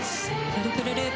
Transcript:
トリプルループ。